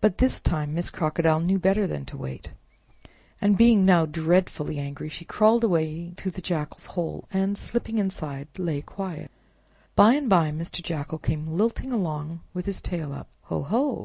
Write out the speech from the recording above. But this time Miss Crocodile knew better than to wait, and being now dreadfully angry, she crawled away to the Jackal's hole, and, slipping inside, lay quiet. By and by Mr. Jackal came lilting along with his tail up. "Ho! ho!